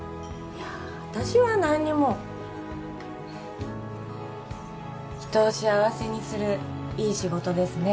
いや私は何にも人を幸せにするいい仕事ですね